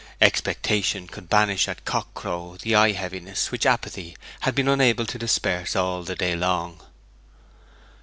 Expectation could banish at cock crow the eye heaviness which apathy had been unable to disperse all the day long.